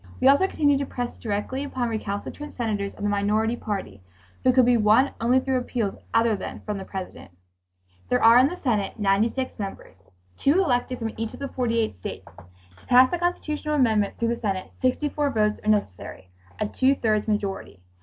We also continued to press directly upon recalcitrant senators of the minority party who could be won only through appeals other than from the President. There are in the Senate 96 members—2 elected from each of the 48 states. To pass a constitutional amendment through the Senate, 64 votes are necessary, a two thirds majority.